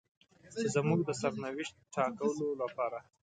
چې زموږ د سرنوشت ټاکلو لپاره.